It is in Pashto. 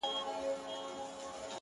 څه خوره، څه پرېږده.